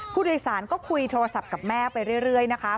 ผู้โดยสารก็คุยโทรศัพท์กับแม่ไปเรื่อยนะคะ